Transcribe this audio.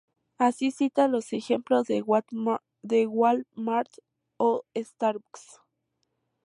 Así cita los ejemplos de Wal-Mart o Starbucks.